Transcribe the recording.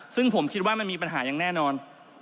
ซึ่งผมคิดว่ามันมีปัญหาอย่างแน่นอน